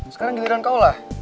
sekarang giliran kau lah